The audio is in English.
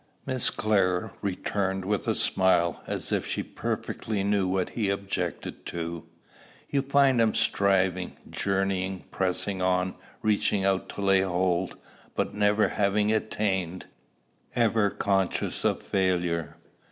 Miss Clare returned with a smile, as if she perfectly knew what he objected to. "You find him striving, journeying, pressing on, reaching out to lay hold, but never having attained, ever conscious of failure."